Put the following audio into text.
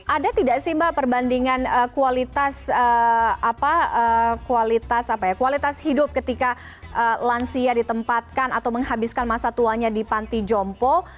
ada tidak sih mbak perbandingan kualitas hidup ketika lansia ditempatkan atau menghabiskan masa tuanya di panti jompo